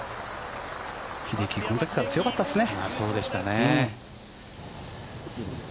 英樹、この時から強かったですね。